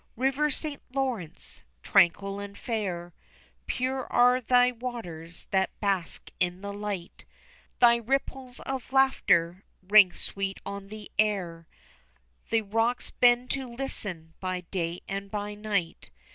River St. Lawrence, tranquil and fair, Pure are thy waters that bask in the light; Thy ripples of laughter ring sweet on the air The rocks bend to listen by day and by night.